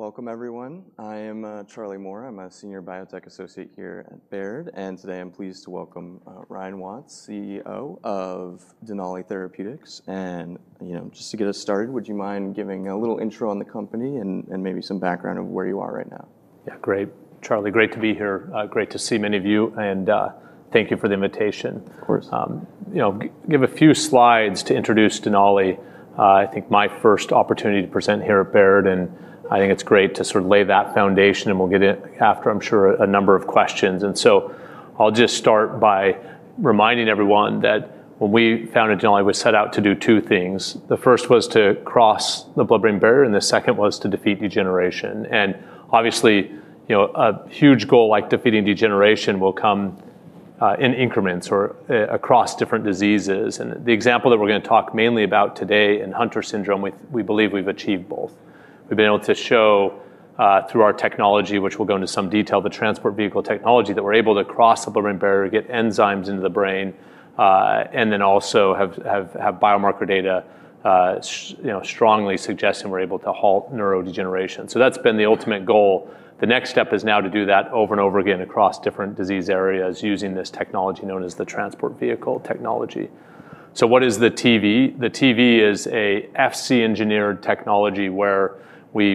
Welcome, everyone. I am Charlie Moore. I'm a Senior Biotech Associate here at Baird, and today I'm pleased to welcome Ryan Watts, CEO of Denali Therapeutics. Just to get us started, would you mind giving a little intro on the company and maybe some background of where you are right now? Yeah, great, Charlie. Great to be here. Great to see many of you, and thank you for the invitation. Of course. I'll give a few slides to introduce Denali. I think my first opportunity to present here at Baird, and I think it's great to sort of lay that foundation, and we'll get it after, I'm sure, a number of questions. I'll just start by reminding everyone that when we founded Denali, we set out to do two things. The first was to cross the blood-brain barrier, and the second was to defeat degeneration. Obviously, a huge goal like defeating degeneration will come in increments or across different diseases. The example that we're going to talk mainly about today in Hunter syndrome, we believe we've achieved both. We've been able to show through our technology, which we'll go into some detail, the transport vehicle technology, that we're able to cross the blood-brain barrier, get enzymes into the brain, and then also have biomarker data strongly suggesting we're able to halt neurodegeneration. That's been the ultimate goal. The next step is now to do that over and over again across different disease areas using this technology known as the transport vehicle technology. What is the TV? The TV is an Fc-engineered technology where we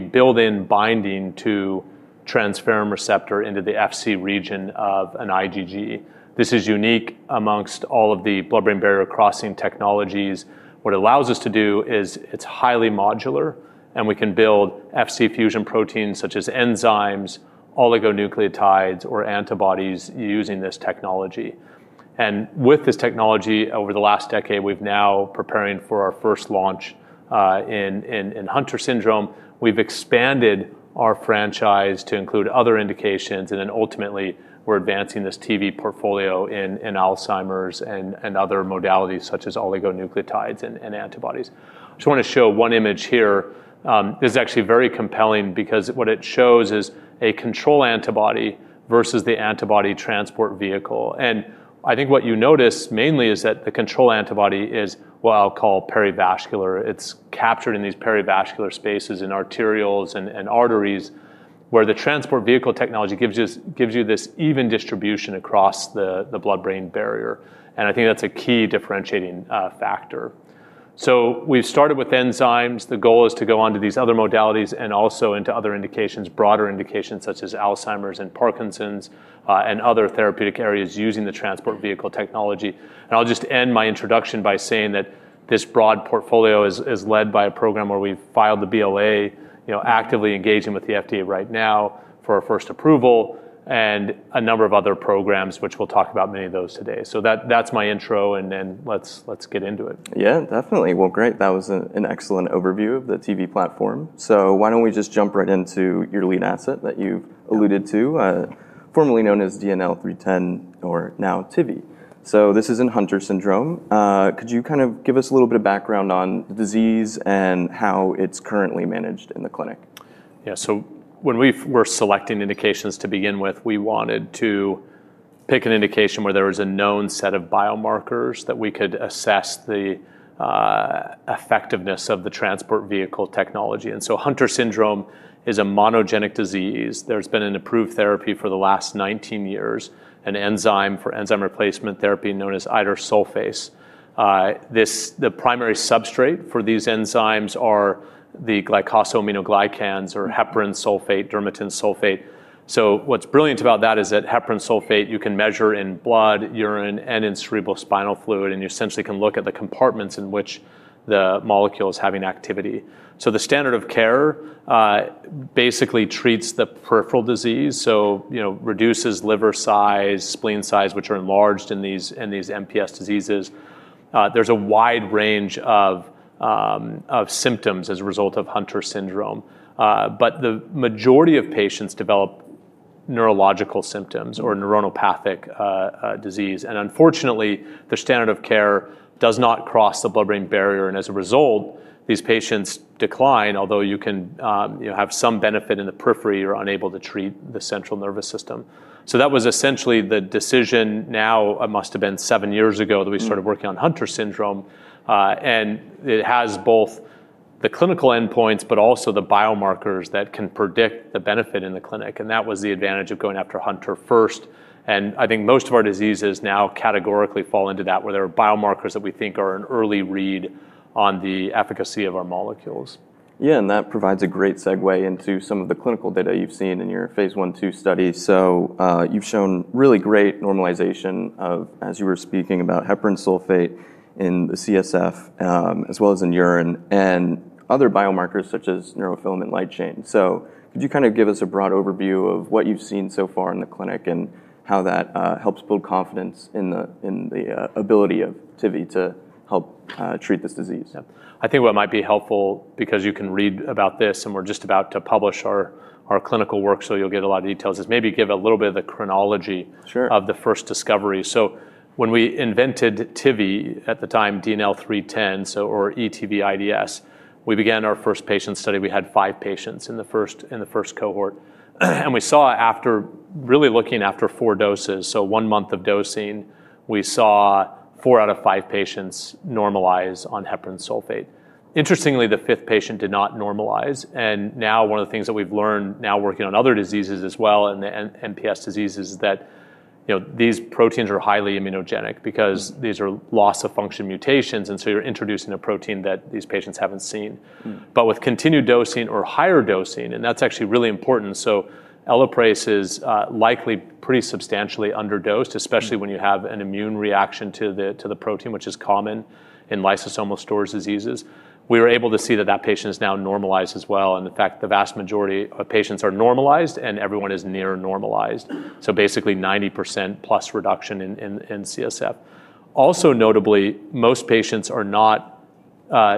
build in binding to transferrin receptor into the Fc region of an IgG. This is unique amongst all of the blood-brain barrier crossing technologies. What it allows us to do is it's highly modular, and we can build Fc fusion proteins such as enzymes, oligonucleotides, or antibodies using this technology. With this technology, over the last decade, we've now prepared for our first launch in Hunter syndrome. We've expanded our franchise to include other indications, and ultimately we're advancing this TV portfolio in Alzheimer's and other modalities such as oligonucleotides and antibodies. I just want to show one image here. This is actually very compelling because what it shows is a control antibody versus the antibody transport vehicle. What you notice mainly is that the control antibody is what I'll call perivascular. It's captured in these perivascular spaces in arterioles and arteries where the transport vehicle technology gives you this even distribution across the blood-brain barrier. I think that's a key differentiating factor. We've started with enzymes. The goal is to go on to these other modalities and also into other indications, broader indications such as Alzheimer's and Parkinson's and other therapeutic areas using the transport vehicle technology. I'll just end my introduction by saying that this broad portfolio is led by a program where we've filed the BLA, actively engaging with the FDA right now for our first approval and a number of other programs, which we'll talk about many of those today. That's my intro, and then let's get into it. Yeah, definitely. That was an excellent overview of the TV platform. Why don't we just jump right into your lead asset that you've alluded to, formerly known as DNL310 or now tividenofusp alfa. This is in Hunter syndrome. Could you kind of give us a little bit of background on the disease and how it's currently managed in the clinic? Yeah, so when we were selecting indications to begin with, we wanted to pick an indication where there was a known set of biomarkers that we could assess the effectiveness of the Transport Vehicle (TV) technology. Hunter syndrome is a monogenic disease. There's been an approved therapy for the last 19 years, an enzyme replacement therapy known as idursulfase. The primary substrate for these enzymes are the glycosaminoglycans or heparan sulfate, dermatan sulfate. What's brilliant about that is that heparan sulfate you can measure in blood, urine, and in cerebrospinal fluid, and you essentially can look at the compartments in which the molecule is having activity. The standard of care basically treats the peripheral disease, so you know, reduces liver size, spleen size, which are enlarged in these MPS diseases. There's a wide range of symptoms as a result of Hunter syndrome, but the majority of patients develop neurological symptoms or neuropathic disease. Unfortunately, the standard of care does not cross the blood-brain barrier, and as a result, these patients decline, although you can have some benefit in the periphery, you're unable to treat the central nervous system. That was essentially the decision now, it must have been seven years ago that we started working on Hunter syndrome, and it has both the clinical endpoints but also the biomarkers that can predict the benefit in the clinic. That was the advantage of going after Hunter first. I think most of our diseases now categorically fall into that where there are biomarkers that we think are an early read on the efficacy of our molecules. Yeah, that provides a great segue into some of the clinical data you've seen in your phase one two study. You've shown really great normalization of, as you were speaking about, heparan sulfate in the cerebrospinal fluid as well as in urine and other biomarkers such as neurofilament light chain. Could you kind of give us a broad overview of what you've seen so far in the clinic and how that helps build confidence in the ability of TV to help treat this disease? I think what might be helpful because you can read about this, and we're just about to publish our clinical work, so you'll get a lot of details, is maybe give a little bit of the chronology of the first discovery. When we invented TV, at the time DNL310 or ETV:IDUA, we began our first patient study. We had five patients in the first cohort, and we saw after really looking after four doses, so one month of dosing, we saw four out of five patients normalize on heparan sulfate. Interestingly, the fifth patient did not normalize. One of the things that we've learned now working on other diseases as well in the MPS diseases is that these proteins are highly immunogenic because these are loss of function mutations, and so you're introducing a protein that these patients haven't seen. With continued dosing or higher dosing, and that's actually really important, Elaprase is likely pretty substantially under-dosed, especially when you have an immune reaction to the protein, which is common in lysosomal storage diseases. We were able to see that that patient has now normalized as well, and in fact, the vast majority of patients are normalized, and everyone is near normalized. Basically, 90% plus reduction in cerebrospinal fluid. Also notably, most patients are not,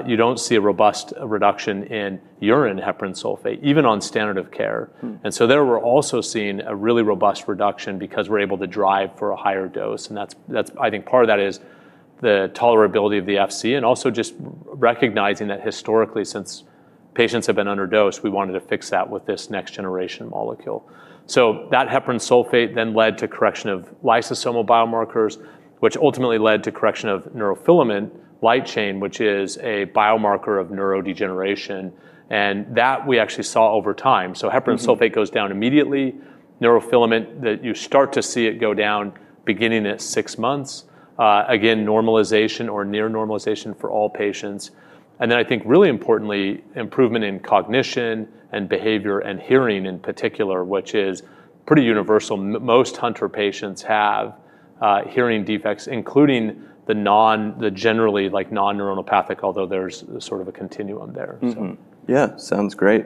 you don't see a robust reduction in urine heparan sulfate, even on standard of care. There we're also seeing a really robust reduction because we're able to drive for a higher dose. I think part of that is the tolerability of the Fc and also just recognizing that historically since patients have been under-dosed, we wanted to fix that with this next generation molecule. That heparan sulfate then led to correction of lysosomal biomarkers, which ultimately led to correction of neurofilament light chain, which is a biomarker of neurodegeneration. We actually saw that over time. Heparan sulfate goes down immediately. Neurofilament, you start to see it go down beginning at six months. Again, normalization or near normalization for all patients. I think really importantly, improvement in cognition and behavior and hearing in particular, which is pretty universal. Most Hunter patients have hearing defects, including the non-neuropathic, although there's sort of a continuum there. Yeah, sounds great.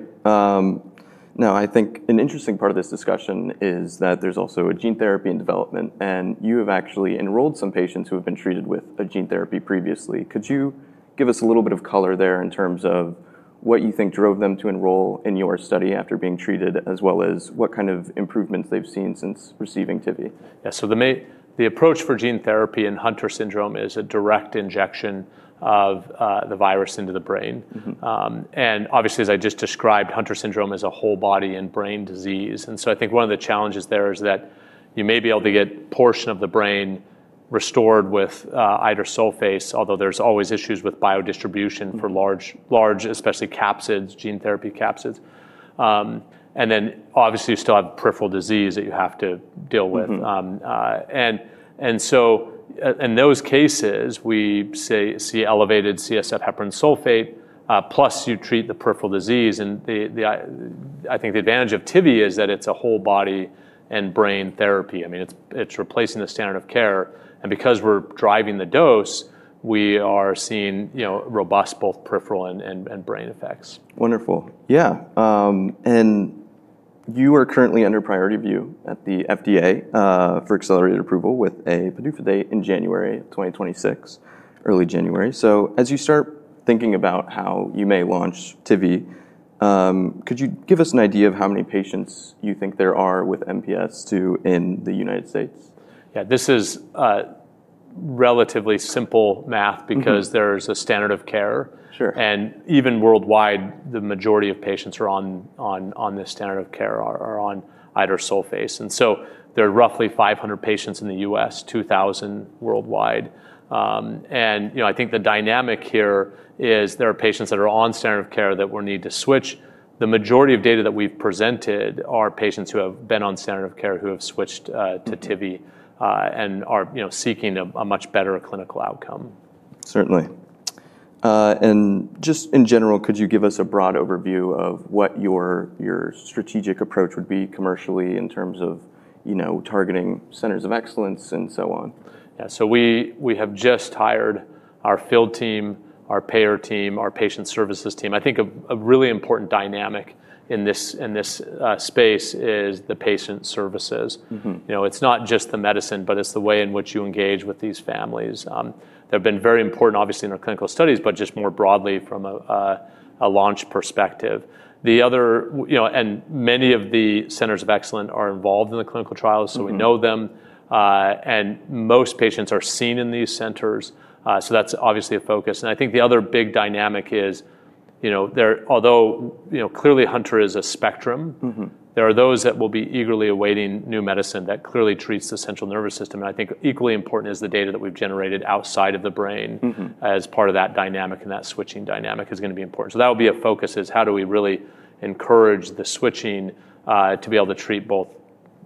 I think an interesting part of this discussion is that there's also a gene therapy in development, and you have actually enrolled some patients who have been treated with a gene therapy previously. Could you give us a little bit of color there in terms of what you think drove them to enroll in your study after being treated, as well as what kind of improvements they've seen since receiving TV? Yeah, so the approach for gene therapy in Hunter syndrome is a direct injection of the virus into the brain. Obviously, as I just described, Hunter syndrome is a whole body and brain disease. I think one of the challenges there is that you may be able to get a portion of the brain restored with idursulfase, although there's always issues with biodistribution for large, especially gene therapy capsids. You still have peripheral disease that you have to deal with. In those cases, we see elevated cerebrospinal fluid heparan sulfate, plus you treat the peripheral disease. I think the advantage of TV is that it's a whole body and brain therapy. I mean, it's replacing the standard of care. Because we're driving the dose, we are seeing robust both peripheral and brain effects. Wonderful. Yeah. You are currently under priority review at the FDA for accelerated approval with a PDUFA date in January 2026, early January. As you start thinking about how you may launch TV, could you give us an idea of how many patients you think there are with MPS II in the U.S.? Yeah, this is relatively simple math because there's a standard of care. Even worldwide, the majority of patients who are on this standard of care are on idursulfase. There are roughly 500 patients in the U.S., 2,000 worldwide. I think the dynamic here is there are patients that are on standard of care that will need to switch. The majority of data that we presented are patients who have been on standard of care who have switched to TV and are seeking a much better clinical outcome. Certainly. In general, could you give us a broad overview of what your strategic approach would be commercially in terms of targeting centers of excellence and so on? Yeah, so we have just hired our field team, our payer team, our patient services team. I think a really important dynamic in this space is the patient services. It's not just the medicine, but it's the way in which you engage with these families. They've been very important, obviously, in our clinical studies, but more broadly from a launch perspective. Many of the centers of excellence are involved in the clinical trials, so we know them. Most patients are seen in these centers. That's obviously a focus. I think the other big dynamic is, although clearly Hunter is a spectrum, there are those that will be eagerly awaiting new medicine that clearly treats the central nervous system. I think equally important is the data that we've generated outside of the brain as part of that dynamic, and that switching dynamic is going to be important. That will be a focus, how do we really encourage the switching to be able to treat both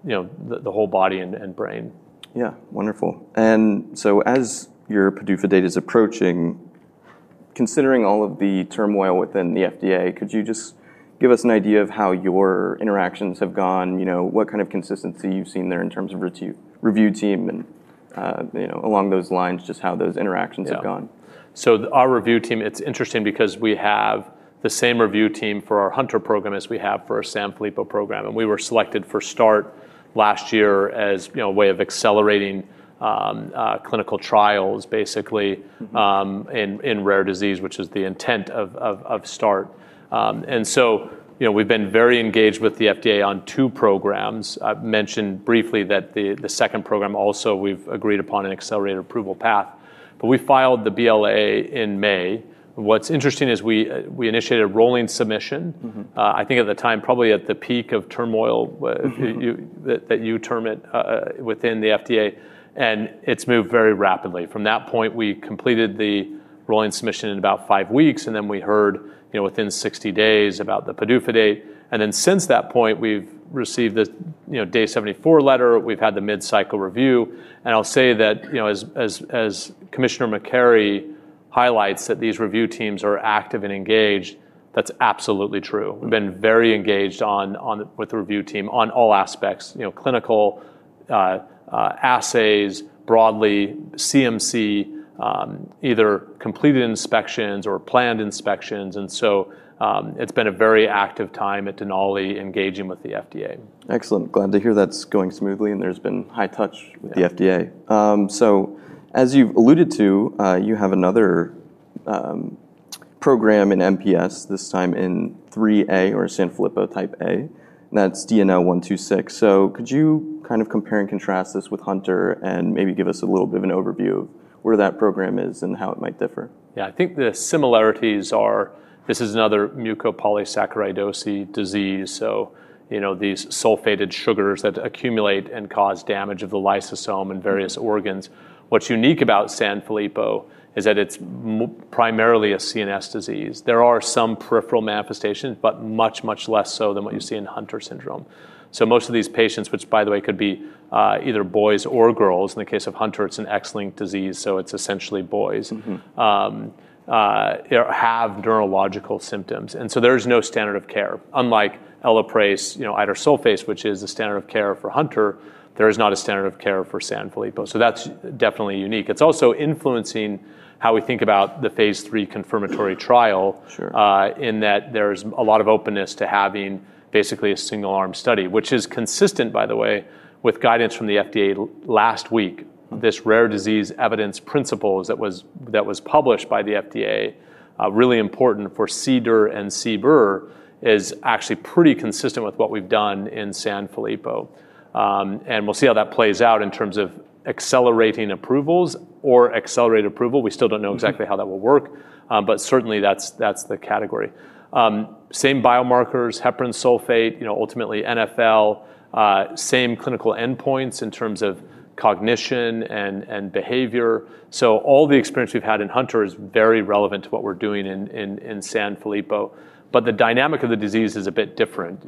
the whole body and brain. Yeah, wonderful. As your PDUFA date is approaching, considering all of the turmoil within the FDA, could you just give us an idea of how your interactions have gone? You know, what kind of consistency you've seen there in terms of your review team and, you know, along those lines, just how those interactions have gone? Yeah, so our review team, it's interesting because we have the same review team for our Hunter program as we have for our Sanfilippo program. We were selected for START last year as a way of accelerating clinical trials, basically, in rare disease, which is the intent of START. We've been very engaged with the FDA on two programs. I mentioned briefly that the second program also we've agreed upon an accelerated approval path. We filed the BLA in May. What's interesting is we initiated a rolling submission, I think at the time, probably at the peak of turmoil that you term it within the FDA. It's moved very rapidly. From that point, we completed the rolling submission in about five weeks, and then we heard, you know, within 60 days about the PDUFA date. Since that point, we've received this, you know, day 74 letter. We've had the mid-cycle review. I'll say that, you know, as Commissioner McCarry highlights that these review teams are active and engaged, that's absolutely true. We've been very engaged with the review team on all aspects, you know, clinical assays, broadly, CMC, either completed inspections or planned inspections. It's been a very active time at Denali engaging with the FDA. Excellent. Glad to hear that's going smoothly and there's been high touch with the FDA. As you've alluded to, you have another program in MPS, this time in IIIA or Sanfilippo syndrome type A, and that's DNL126. Could you kind of compare and contrast this with Hunter and maybe give us a little bit of an overview of where that program is and how it might differ? Yeah, I think the similarities are, this is another mucopolysaccharidosis disease. These sulfated sugars accumulate and cause damage of the lysosome and various organs. What's unique about Sanfilippo is that it's primarily a CNS disease. There are some peripheral manifestations, but much, much less so than what you see in Hunter syndrome. Most of these patients, which by the way could be either boys or girls, in the case of Hunter, it's an X-linked disease, so it's essentially boys, have neurological symptoms. There's no standard of care. Unlike Elaprase, you know, idursulfase, which is the standard of care for Hunter, there's not a standard of care for Sanfilippo. That's definitely unique. It's also influencing how we think about the phase three confirmatory trial in that there's a lot of openness to having basically a single-arm study, which is consistent, by the way, with guidance from the FDA last week. This rare disease evidence principles that was published by the FDA, really important for CDER and CBER, is actually pretty consistent with what we've done in Sanfilippo. We'll see how that plays out in terms of accelerating approvals or accelerated approval. We still don't know exactly how that will work, but certainly that's the category. Same biomarkers, heparan sulfate, you know, ultimately neurofilament light chain, same clinical endpoints in terms of cognition and behavior. All the experience we've had in Hunter is very relevant to what we're doing in Sanfilippo. The dynamic of the disease is a bit different.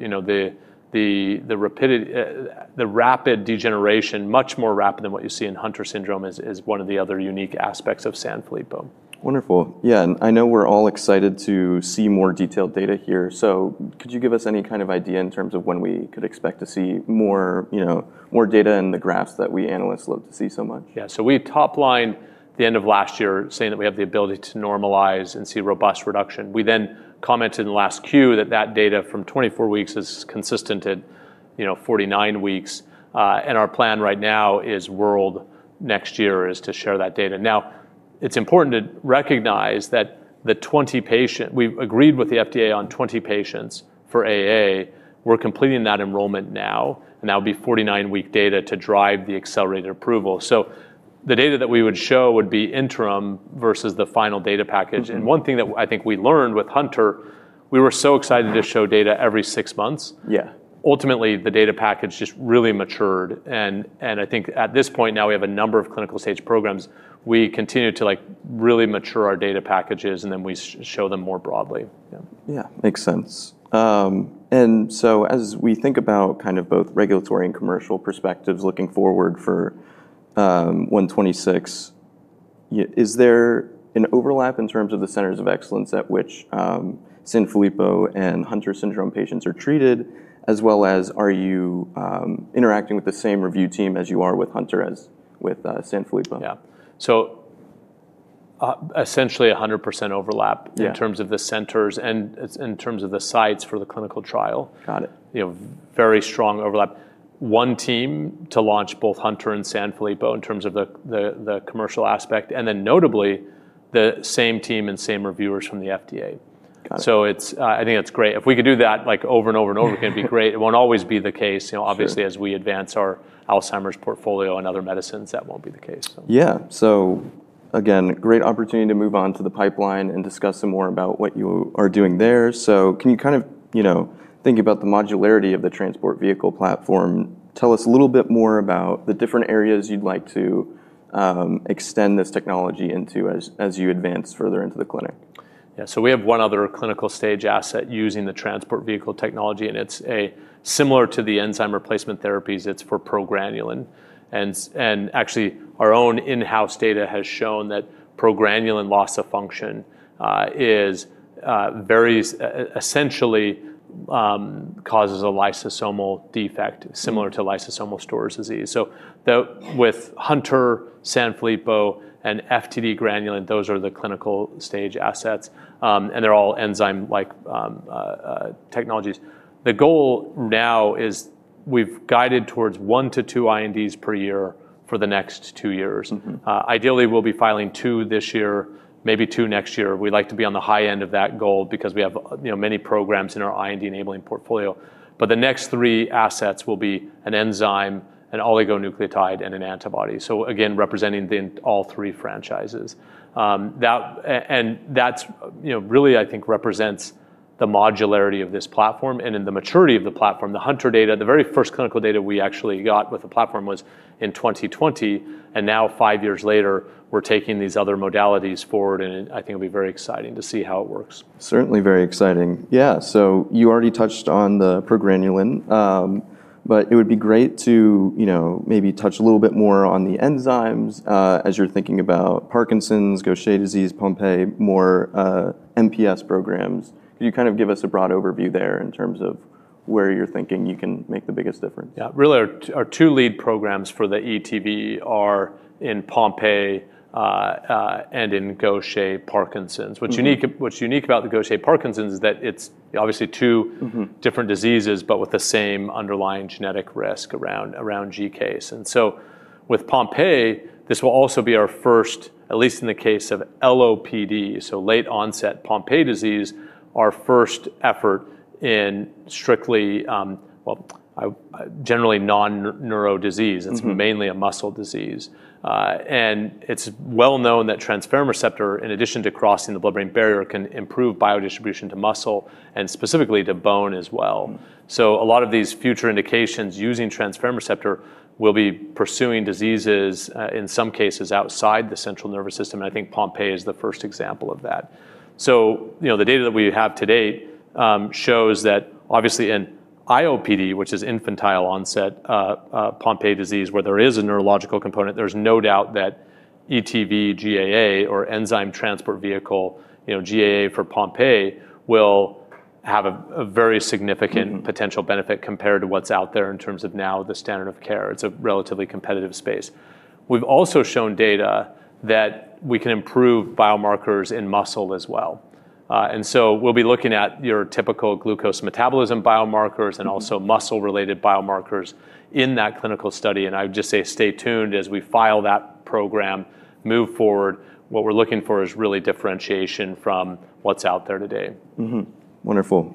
The rapid degeneration, much more rapid than what you see in Hunter syndrome, is one of the other unique aspects of Sanfilippo. Wonderful. Yeah, I know we're all excited to see more detailed data here. Could you give us any kind of idea in terms of when we could expect to see more, you know, more data in the graphs that we analysts love to see so much? Yeah, so we toplined the end of last year saying that we have the ability to normalize and see robust reduction. We then commented in the last queue that that data from 24 weeks is consistent at, you know, 49 weeks. Our plan right now is world next year is to share that data. Now, it's important to recognize that the 20 patients, we agreed with the FDA on 20 patients for AA. We're completing that enrollment now, and that would be 49-week data to drive the accelerated approval. The data that we would show would be interim versus the final data package. One thing that I think we learned with Hunter, we were so excited to show data every six months. Yeah. Ultimately, the data package just really matured. I think at this point now we have a number of clinical stage programs. We continue to really mature our data packages, and then we show them more broadly. Yeah, makes sense. As we think about both regulatory and commercial perspectives looking forward for DNL126, is there an overlap in terms of the centers of excellence at which Sanfilippo and Hunter syndrome patients are treated, as well as are you interacting with the same review team as you are with Hunter as with Sanfilippo? Yeah, so essentially 100% overlap in terms of the centers and in terms of the sites for the clinical trial. Got it. You know, very strong overlap. One team to launch both Hunter and Sanfilippo in terms of the commercial aspect, and then notably the same team and same reviewers from the FDA. I think that's great. If we could do that over and over and over, it'd be great. It won't always be the case. Obviously as we advance our Alzheimer's portfolio and other medicines, that won't be the case. Yeah, great opportunity to move on to the pipeline and discuss some more about what you are doing there. Can you kind of, you know, think about the modularity of the transport vehicle platform? Tell us a little bit more about the different areas you'd like to extend this technology into as you advance further into the clinic. Yeah, so we have one other clinical stage asset using the Transport Vehicle (TV) technology, and it's similar to the enzyme replacement therapies. It's for progranulin. Actually, our own in-house data has shown that progranulin loss of function essentially causes a lysosomal defect similar to lysosomal storage disease. With Hunter, Sanfilippo, and FTD granulin, those are the clinical stage assets, and they're all enzyme-like technologies. The goal now is we've guided towards one to two INDs per year for the next two years. Ideally, we'll be filing two this year, maybe two next year. We'd like to be on the high end of that goal because we have many programs in our IND-enabling portfolio. The next three assets will be an enzyme, an oligonucleotide, and an antibody, again representing all three franchises. I think that really represents the modularity of this platform and the maturity of the platform. The Hunter data, the very first clinical data we actually got with the platform, was in 2020. Now five years later, we're taking these other modalities forward, and I think it'll be very exciting to see how it works. Certainly very exciting. Yeah, you already touched on the progranulin, but it would be great to maybe touch a little bit more on the enzymes as you're thinking about Parkinson's, Gaucher disease, Pompe, more MPS programs. Could you kind of give us a broad overview there in terms of where you're thinking you can make the biggest difference? Yeah, really our two lead programs for the ETV are in Pompe and in Gaucher/Parkinson's. What's unique about the Gaucher/Parkinson's is that it's obviously two different diseases, but with the same underlying genetic risk around GCase. With Pompe, this will also be our first, at least in the case of LOPD, so late-onset Pompe disease, our first effort in strictly, well, generally non-neurodisease. It's mainly a muscle disease. It's well known that transferrin receptor, in addition to crossing the blood-brain barrier, can improve biodistribution to muscle and specifically to bone as well. A lot of these future indications using transferrin receptor will be pursuing diseases in some cases outside the central nervous system. I think Pompe is the first example of that. The data that we have today shows that obviously in IOPD, which is infantile onset Pompe disease, where there is a neurological component, there's no doubt that ETV:GAA, or enzyme transport vehicle GAA for Pompe, will have a very significant potential benefit compared to what's out there in terms of now the standard of care. It's a relatively competitive space. We've also shown data that we can improve biomarkers in muscle as well. We'll be looking at your typical glucose metabolism biomarkers and also muscle-related biomarkers in that clinical study. I would just say stay tuned as we file that program, move forward. What we're looking for is really differentiation from what's out there today. Wonderful.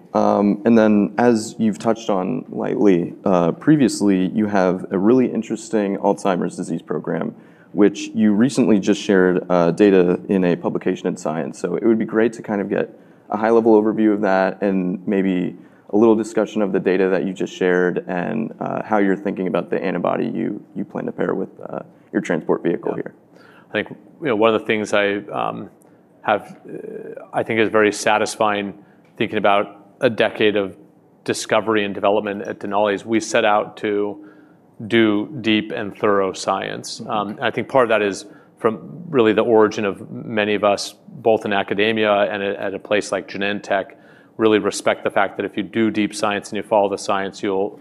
As you've touched on lightly previously, you have a really interesting Alzheimer's disease program, which you recently just shared data in a publication in Science. It would be great to kind of get a high-level overview of that and maybe a little discussion of the data that you just shared and how you're thinking about the antibody you plan to pair with your transport vehicle here. I think one of the things I have is very satisfying thinking about a decade of discovery and development at Denali Therapeutics is we set out to do deep and thorough science. I think part of that is from really the origin of many of us, both in academia and at a place like Genentech, really respect the fact that if you do deep science and you follow the science, you'll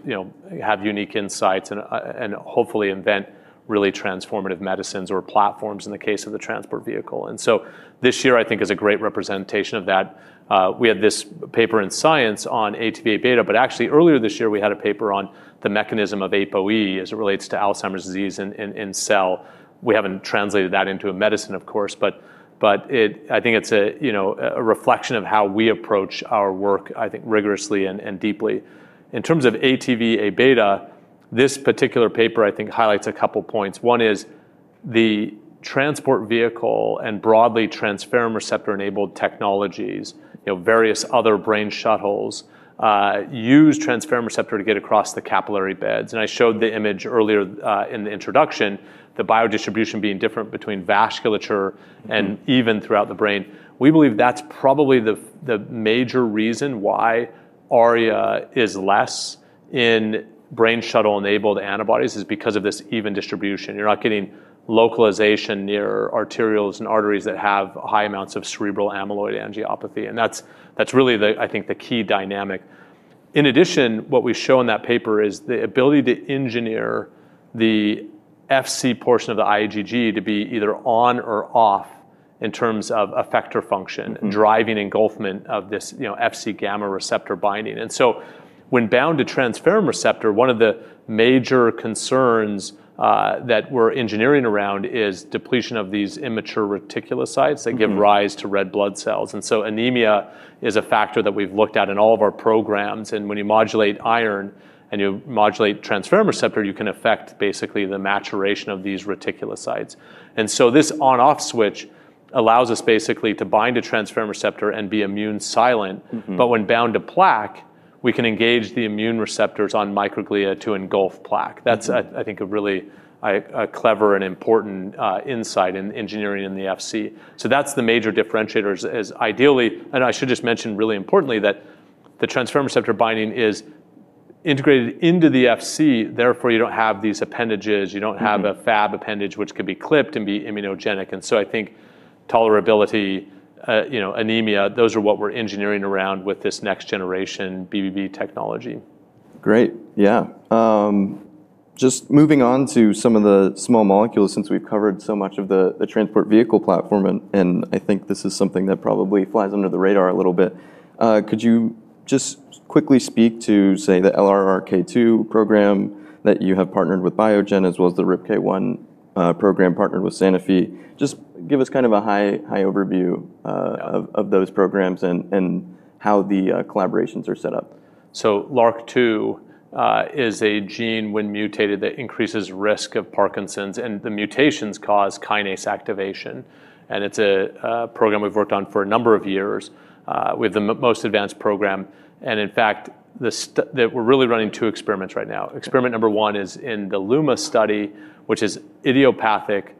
have unique insights and hopefully invent really transformative medicines or platforms in the case of the transport vehicle. This year, I think, is a great representation of that. We had this paper in Science on ATV:Abeta, but actually earlier this year we had a paper on the mechanism of APOE as it relates to Alzheimer's disease in Cell. We haven't translated that into a medicine, of course, but I think it's a reflection of how we approach our work, I think, rigorously and deeply. In terms of ATV:Abeta, this particular paper highlights a couple of points. One is the transport vehicle and broadly transferrin receptor-enabled technologies. Various other brain shuttles use transferrin receptor to get across the capillary beds. I showed the image earlier in the introduction, the biodistribution being different between vasculature and even throughout the brain. We believe that's probably the major reason why ARIA is less in brain shuttle-enabled antibodies is because of this even distribution. You're not getting localization near arterioles and arteries that have high amounts of cerebral amyloid angiopathy. That's really the key dynamic. In addition, what we show in that paper is the ability to engineer the Fc portion of the IgG to be either on or off in terms of effector function, driving engulfment of this Fc gamma receptor binding. When bound to transferrin receptor, one of the major concerns that we're engineering around is depletion of these immature reticulocytes that give rise to red blood cells. Anemia is a factor that we've looked at in all of our programs. When you modulate iron and you modulate transferrin receptor, you can affect basically the maturation of these reticulocytes. This on-off switch allows us basically to bind to transferrin receptor and be immune silent, but when bound to plaque, we can engage the immune receptors on microglia to engulf plaque. That's a really clever and important insight in engineering in the Fc. That's the major differentiator. I should just mention really importantly that the transferrin receptor binding is integrated into the Fc, therefore you don't have these appendages. You don't have a Fab appendage which can be clipped and be immunogenic. I think tolerability, anemia, those are what we're engineering around with this next generation blood-brain barrier technology. Great. Yeah. Just moving on to some of the small molecules since we've covered so much of the Transport Vehicle platform, I think this is something that probably flies under the radar a little bit. Could you just quickly speak to, say, the LRRK2 program that you have partnered with Biogen, as well as the RIPK1 program partnered with Sanofi? Just give us kind of a high overview of those programs and how the collaborations are set up. LRRK2 is a gene when mutated that increases risk of Parkinson's, and the mutations cause kinase activation. It's a program we've worked on for a number of years. We have the most advanced program, and in fact, we're really running two experiments right now. Experiment number one is in the LUMA study, which is idiopathic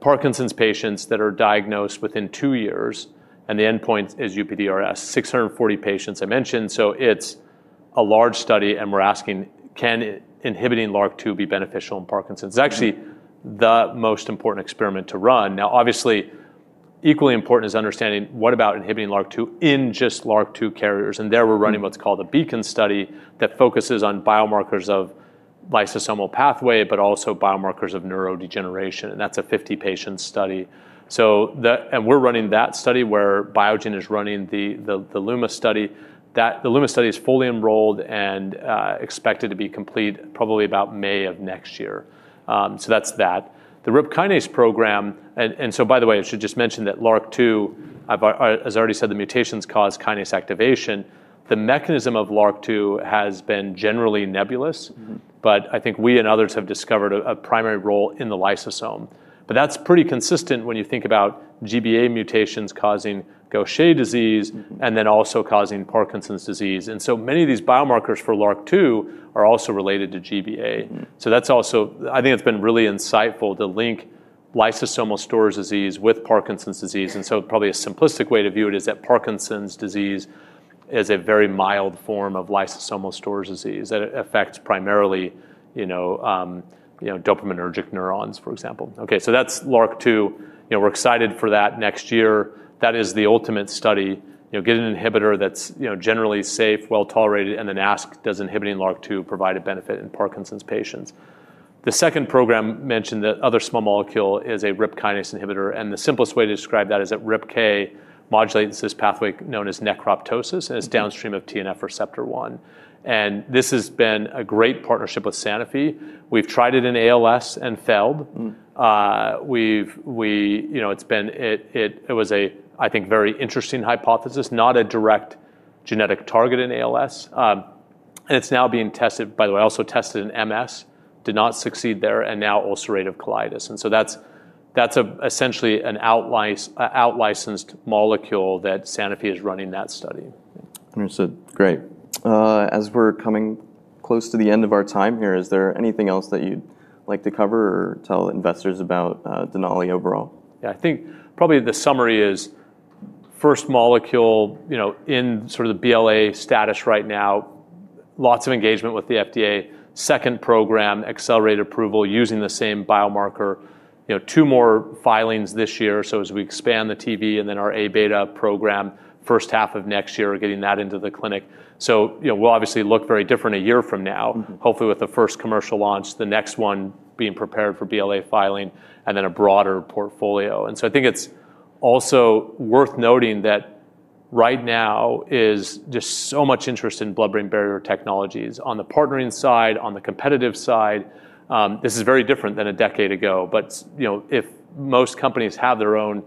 Parkinson's patients that are diagnosed within two years, and the endpoint is UPDRS. 640 patients I mentioned, so it's a large study, and we're asking, can inhibiting LRRK2 be beneficial in Parkinson's? It's actually the most important experiment to run. Obviously, equally important is understanding what about inhibiting LRRK2 in just LRRK2 carriers, and there we're running what's called a BEACON study that focuses on biomarkers of lysosomal pathway, but also biomarkers of neurodegeneration, and that's a 50-patient study. We're running that study where Biogen is running the LUMA study. The LUMA study is fully enrolled and expected to be complete probably about May of next year. That's that. The RIP kinase program, and by the way, I should just mention that LRRK2, as I already said, the mutations cause kinase activation. The mechanism of LRRK2 has been generally nebulous, but I think we and others have discovered a primary role in the lysosome. That's pretty consistent when you think about GBA mutations causing Gaucher disease and then also causing Parkinson's disease. Many of these biomarkers for LRRK2 are also related to GBA. It's been really insightful to link lysosomal storage disease with Parkinson's disease. Probably a simplistic way to view it is that Parkinson's disease is a very mild form of lysosomal storage disease that affects primarily, you know, dopaminergic neurons, for example. That's LRRK2. We're excited for that next year. That is the ultimate study. Get an inhibitor that's, you know, generally safe, well tolerated, and then ask, does inhibiting LRRK2 provide a benefit in Parkinson's patients? The second program mentioned, that other small molecule, is a RIP kinase inhibitor, and the simplest way to describe that is that RIPK modulates this pathway known as necroptosis, and it's downstream of TNF receptor 1. This has been a great partnership with Sanofi. We've tried it in ALS and failed. It was a, I think, very interesting hypothesis, not a direct genetic target in ALS. It's now being tested, by the way, also tested in MS, did not succeed there, and now ulcerative colitis. That's essentially an outlicensed molecule that Sanofi is running that study. As we're coming close to the end of our time here, is there anything else that you'd like to cover or tell investors about Denali overall? Yeah, I think probably the summary is first molecule, you know, in sort of the BLA status right now, lots of engagement with the FDA. Second program, accelerated approval using the same biomarker, you know, two more filings this year. As we expand the TV and then our ATV:Abeta program, first half of next year, getting that into the clinic. You know, we'll obviously look very different a year from now, hopefully with the first commercial launch, the next one being prepared for BLA filing, and then a broader portfolio. I think it's also worth noting that right now is just so much interest in blood-brain barrier technologies on the partnering side, on the competitive side. This is very different than a decade ago, but you know, most companies have their own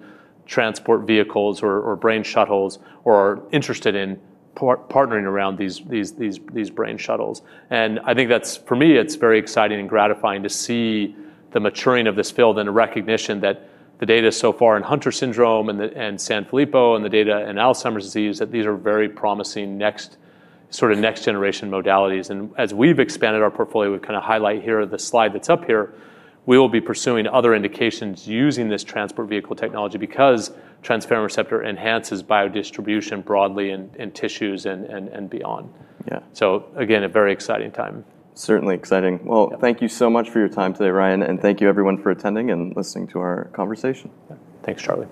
transport vehicles or brain shuttles or are interested in partnering around these brain shuttles. I think that's, for me, it's very exciting and gratifying to see the maturing of this field and the recognition that the data so far in Hunter syndrome and Sanfilippo and the data in Alzheimer's disease, that these are very promising next sort of next generation modalities. As we've expanded our portfolio, we kind of highlight here the slide that's up here, we will be pursuing other indications using this transport vehicle technology because transferrin receptor enhances biodistribution broadly in tissues and beyond. Yeah. Again, a very exciting time. Certainly exciting. Thank you so much for your time today, Ryan, and thank you everyone for attending and listening to our conversation. Thanks, Charlie.